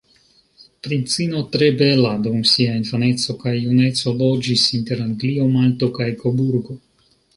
Princino tre bela, dum sia infaneco kaj juneco loĝis inter Anglio, Malto kaj Koburgo.